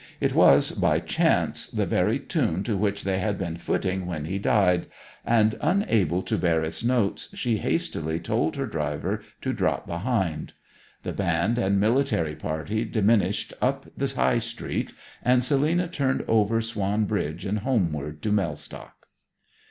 It was, by chance, the very tune to which they had been footing when he died, and unable to bear its notes, she hastily told her driver to drop behind. The band and military party diminished up the High Street, and Selina turned over Swan bridge and homeward to Mellstock.